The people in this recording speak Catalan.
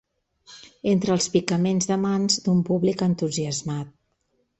...entre els picaments de mans d'un públic entusiasmat